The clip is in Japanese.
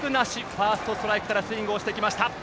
ファーストストライクからスイングしてきました。